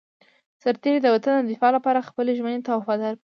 سرتېری د وطن د دفاع لپاره خپلې ژمنې ته وفادار پاتې کېږي.